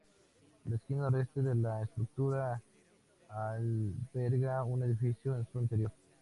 La esquina noreste de la estructura alberga un edificio en su interior.